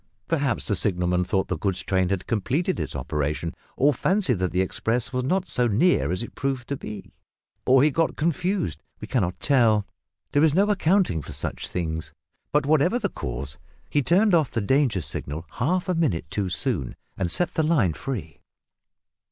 Perhaps the signalman thought the goods train had completed its operation, or fancied that the express was not so near as it proved to be, or he got confused we cannot tell; there is no accounting for such things, but whatever the cause, he turned off the danger signal half a minute too soon, and set the line free.